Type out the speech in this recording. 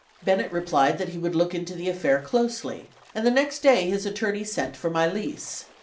Bennett replied that he would look into the affair closely; and the next day his attorney sent for my lease.